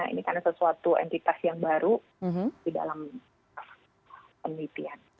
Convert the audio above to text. ini karena sesuatu entitas yang baru di dalam penelitian